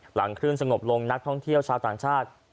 หลังคลื่นสงบลงนักท่องเที่ยวชาวต่างชาติ